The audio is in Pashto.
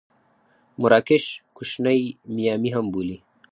مراکش کوشنۍ میامي هم بولي.